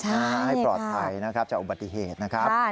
ให้ปลอดภัยนะครับจากอุบัติเหตุนะครับ